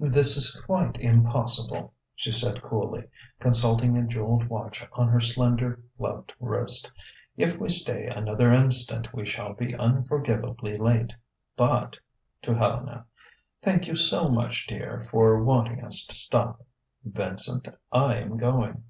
"This is quite impossible," she said coolly, consulting a jewelled watch on her slender, gloved wrist. "If we stay another instant we shall be unforgivably late. But" to Helena "thank you so much, dear, for wanting us to stop.... Vincent, I am going."